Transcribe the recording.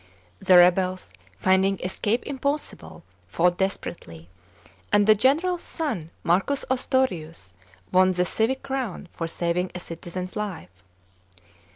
The rebels, finding escape impossible, fought desperately; and the general's son, Marcus Ostorius, won the civic crown for saving a citizen's life.